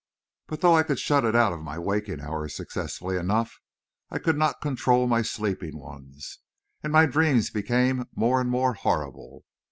But though I could shut it out of my waking hours successfully enough, I could not control my sleeping ones, and my dreams became more and more horrible.